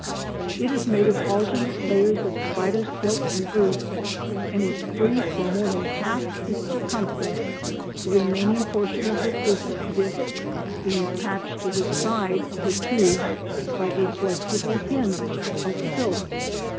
It is made of alternate layers of spider silk and earth, and is free for more than half its circumference, the remaining portion of the surface disc being attached to the side of the tube by a flexible hinge of silk.